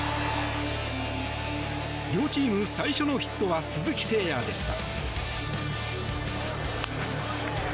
両チーム最初のヒットは鈴木誠也でした。